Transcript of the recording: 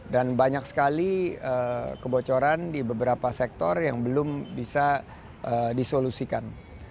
dan banyak sekali kebocoran di beberapa sektor yang belum bisa disolusikan